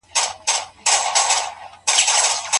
عادلانه قضاوت تر احساساتي پرېکړو ډېر سخت دی.